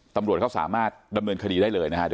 ตำรวจเขาสามารถดำเนินคดีได้เลยนะฮะ